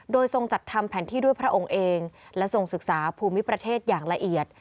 โดยทรงจัดทำแผนที่ด้วยพระองค์เองและทรงศึกษาภูมิประเทศอย่างละเอียด